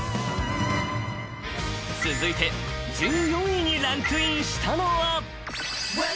［続いて１４位にランクインしたのは］